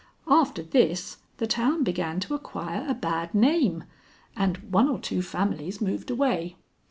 After this, the town began to acquire a bad name, and one or two families moved away.